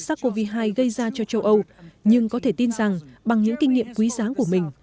sars cov hai gây ra cho châu âu nhưng có thể tin rằng bằng những kinh nghiệm quý giá của mình